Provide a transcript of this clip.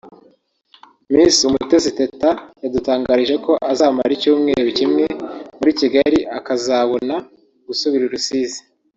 Miss Umutesi Teta yadutangarije ko azamara icyumweru kimwe muri Kigali akazabona gusubira i Rusizi